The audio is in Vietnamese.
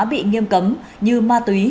bị nghiêm cấm như ma túy